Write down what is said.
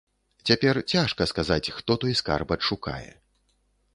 Цяпер цяжка сказаць, хто той скарб адшукае.